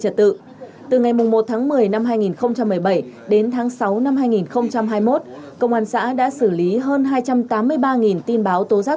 trật tự từ ngày một tháng một mươi năm hai nghìn một mươi bảy đến tháng sáu năm hai nghìn hai mươi một công an xã đã xử lý hơn hai trăm tám mươi ba tin báo tố giác